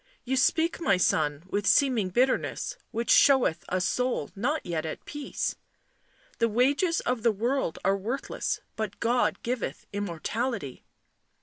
You speak, my son, with seeming bitterness which showeth a soul not yet at peace. The wages of the world are worthless, but God giveth immortality."